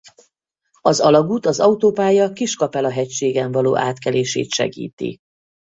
Az alagút az autópálya Kis-Kapela hegységen való átkelését segíti.